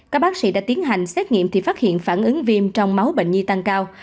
các bác sĩ đã tiến hành xét nghiệm thì phát hiện phản ứng viêm trong máu bệnh nhi tăng cao